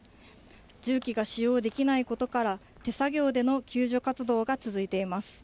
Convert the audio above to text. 重機が使用できないことから、手作業での救助活動が続いています。